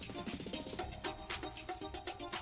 tapi mau jual